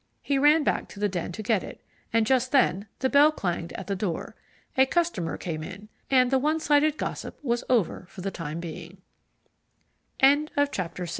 He ran back to the den to get it, and just then the bell clanged at the door. A customer came in, and the one sided gossip was over for the time being. Chapter VII Aubrey Ta